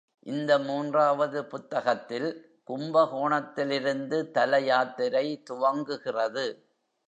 இந்த மூன்றாவது புத்தகத்தில் கும்பகோணத்திலிருந்து தல யாத்திரை துவங்குகிறது.